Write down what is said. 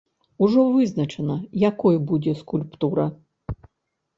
Ужо вызначана, якой будзе скульптура.